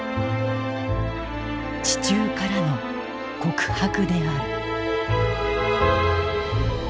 地中からの告白である。